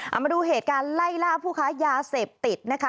เอามาดูเหตุการณ์ไล่ล่าผู้ค้ายาเสพติดนะคะ